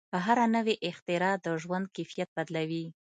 هره نوې اختراع د ژوند کیفیت بدلوي.